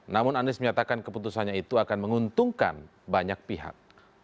namun anies menyatakan keputusannya itu akan menguntungkan banyak pihak